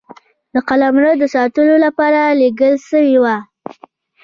د قلمرو د ساتلو لپاره لېږل سوي وه.